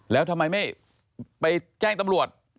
แล้วทำไมไม่ไปแจ้งตำรวจ